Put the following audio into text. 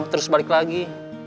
terus balik lagi